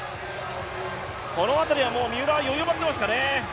この辺りは、三浦は余裕を持っていますかね。